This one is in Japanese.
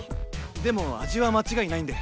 でも味は間違いないんで。